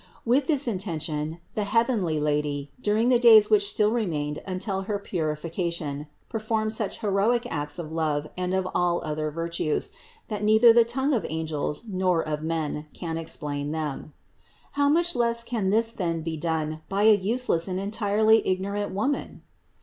With this intention the heavenly Lady, during the days which still remained until her purification, performed such heroic acts of love and of all other virtues, that neither the tongue of angels nor of men can explain them. How much less can this then be done by a useless and entirely ignorant woman?